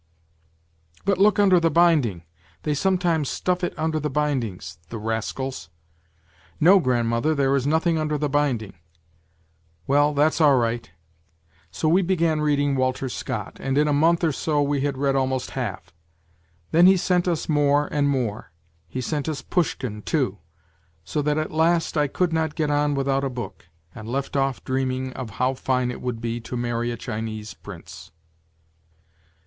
' But look under the binding ; they sometimes stuff it under the bindings, the rascals !'"' No, grandmother, there is nothing under the binding.' "' Well, that's all right,' " So we began reading Walter Scott, and in a month or so we had read almost half. Then he sent us more and more. He us Pushkin, too^so that at last I couIcHlo! gl l t uirwitlffiut a book, and left off dreaming of how fine it would be to marry a Chinese Prince.